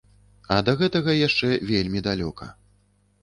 А да гэтага яшчэ вельмі далёка.